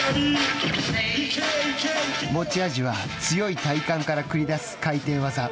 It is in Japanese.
持ち味は強い体幹から繰り出す回転技。